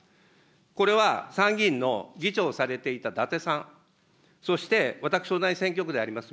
これは参議院の議長をされていただてさん、そして私と同じ選挙区であります